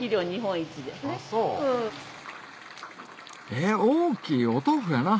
えっ大きいお豆腐やな